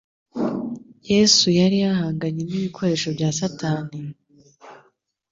Yesu yari yahanganye n'ibikoresho bya Satani,